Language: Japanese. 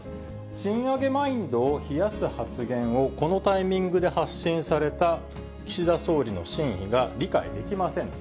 賃上げマインドを冷やす発言をこのタイミングで発信された岸田総理の真意が理解できませんと。